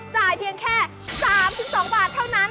จ่ายเพียงแค่๓๒บาทเท่านั้น